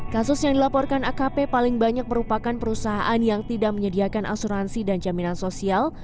kasus yang dilaporkan akp paling banyak merupakan perusahaan yang tidak menyediakan asuransi dan jaminan sosial